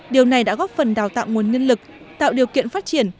điều này đã góp phần đào tạo nguồn nhân lực tạo điều kiện phát triển